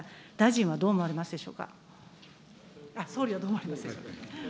総理はどう思われますでしょうか。